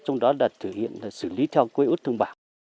trong đó đặt thử hiện xử lý theo quy ước thương bảo